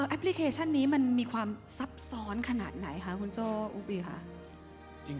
แอปพลิเคชันนี้มันมีความซับซ้อนขนาดไหนคะคุณโจ้ออุปบีคะ